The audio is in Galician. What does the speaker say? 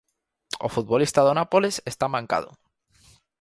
O futbolista do Nápoles está mancado.